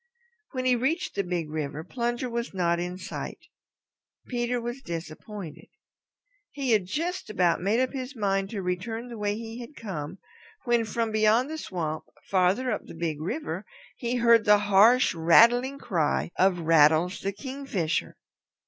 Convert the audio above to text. When he reached the Big River, Plunger was not in sight. Peter was disappointed. He had just about made up his mind to return the way he had come, when from beyond the swamp, farther up the Big River, he heard the harsh, rattling cry of Rattles the Kingfisher.